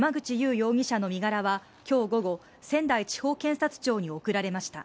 容疑者の身柄は今日午後、仙台地方検察庁に送られました。